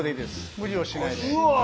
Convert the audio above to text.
無理をしないで。